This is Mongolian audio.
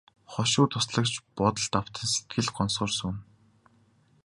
Хошуу туслагч бодолд автан сэтгэл гонсгор сууна.